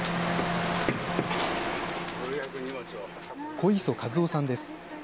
小磯和雄さんです。